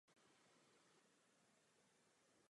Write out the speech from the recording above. Hlavní obživou obyvatel bylo zemědělství a vinařství.